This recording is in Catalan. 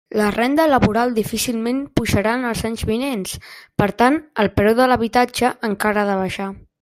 La renda laboral difícilment pujarà en els anys vinents; per tant, el preu de l'habitatge encara ha de baixar.